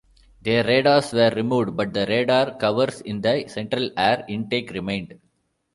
Their radars were removed, but the radar covers in the central air intake remained.